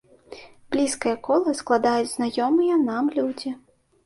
Блізкае кола складаюць знаёмыя нам людзі.